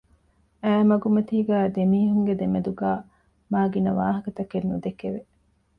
އައި މަގުމަތީގައިވެސް ދެމީހުންގެ ދެމެދުގައި މާ ގިނަ ވާހަކަތަކެއް ނުދެކެވެ